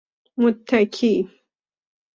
متکی